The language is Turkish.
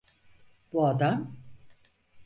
Bu adam?